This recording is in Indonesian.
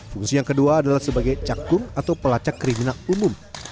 fungsi yang kedua adalah sebagai cakung atau pelacak kriminal umum